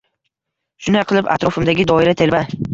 Shunday qilib atrofimdagi doira telba